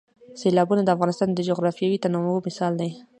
سیلابونه د افغانستان د جغرافیوي تنوع مثال دی.